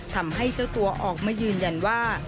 ทำให้เจ้าตัวออกมายืนยันว่า